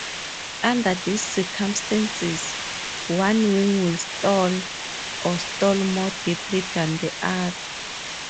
Under these circumstances, one wing will stall, or stall more deeply than the other.